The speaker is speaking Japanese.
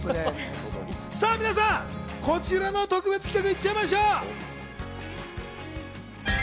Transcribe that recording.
さあ皆さん、こちらの特別企画にいっちゃいましょう。